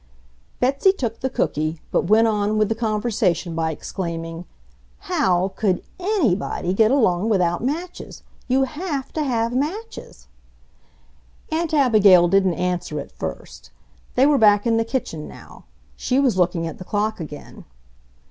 Betsy took the cooky, but went on with the conversation by exclaiming, "HOW could ANY body get along without matches? You HAVE to have matches." Aunt Abigail didn't answer at first. They were back in the kitchen now. She was looking at the clock again.